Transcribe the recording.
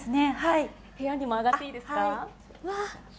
部屋にも上がっていいですか。